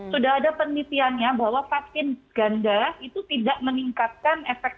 sudah ada penelitiannya bahwa vaksin ganda itu tidak meningkatkan efek